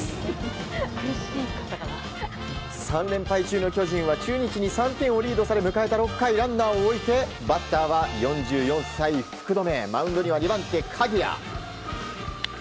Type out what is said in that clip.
３連敗中の巨人は中日に３点をリードされ迎えた６回、ランナーを置いてバッターは４４歳、福留。